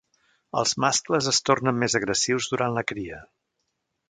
Els mascles es tornen més agressius durant la cria.